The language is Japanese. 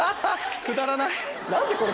くだらない！